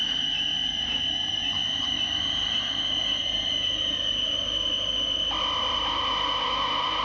untuk memasuki dan menjauhkannya